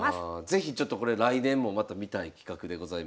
是非ちょっとこれ来年もまた見たい企画でございました。